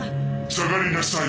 ・下がりなさい